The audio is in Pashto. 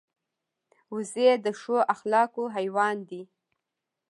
وزې د ښو اخلاقو حیوان دی